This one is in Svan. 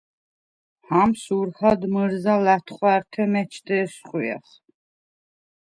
ჰამს ურჰად მჷრზა ლა̈თხვართე მეჩდე ესხვიახ.